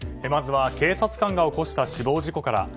まずは警察官が起こした死亡事故から。